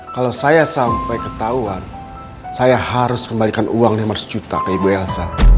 kalau saya sampai ketahuan saya harus kembalikan uang nomor sejuta ke ibu elsa